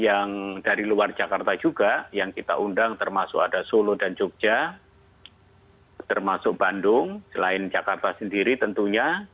yang dari luar jakarta juga yang kita undang termasuk ada solo dan jogja termasuk bandung selain jakarta sendiri tentunya